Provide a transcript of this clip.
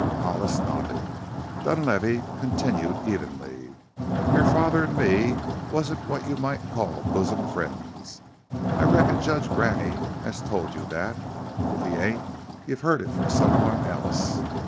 Hollis nodded. Dunlavey continued evenly: "Your father and me wasn't what you might call bosom friends. I reckon Judge Graney has told you that if he ain't you've heard it from some one else.